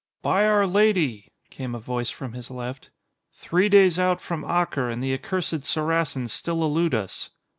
"By our Lady!" came a voice from his left. "Three days out from Acre, and the accursed Saracens still elude us."